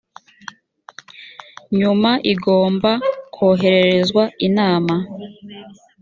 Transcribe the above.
nyuma igomba kohererezwa inama